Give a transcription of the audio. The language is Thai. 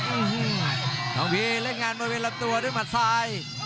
น้องวีเล่นงานบริเวณลำตัวด้วยหมัดซ้าย